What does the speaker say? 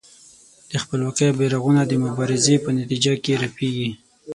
د خپلواکۍ بېرغونه د مبارزې په نتیجه کې رپېږي.